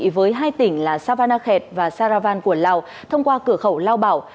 với hai tỉnh là savanakhet và saravan của lào thông qua cửa khẩu lao bảo